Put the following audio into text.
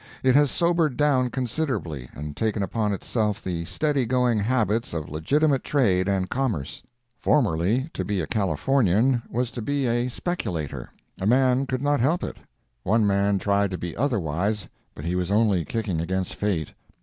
It has sobered down considerably and taken upon itself the steady going habits of legitimate trade and commerce. Formerly, to be a Californian was to be a speculator. A man could not help it. One man tried to be otherwise, but he was only kicking against fate.